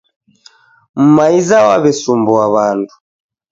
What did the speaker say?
Mumaiza wawesumbua wandu